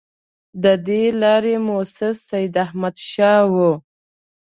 د دې لارې مؤسس سیداحمدشاه وو.